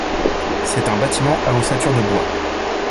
C’est un bâtiment à ossature de bois.